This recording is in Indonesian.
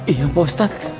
iya pak ustadz